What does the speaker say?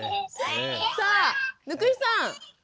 さあ貫井さん。